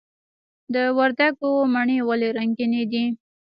د وردګو مڼې ولې رنګینې دي؟